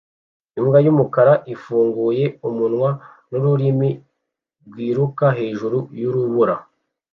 Imbwa yumukara ifunguye umunwa nururimi rwiruka hejuru yurubura